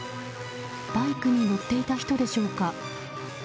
バイクに乗っていた人でしょうか。